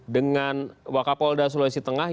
dengan wakapolda sulawesi tengah